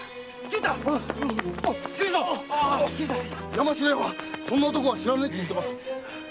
山城屋はそんな男は知らねえって言ってます。